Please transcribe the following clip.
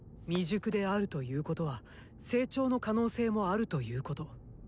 「未熟である」ということは「成長の可能性もある」ということ。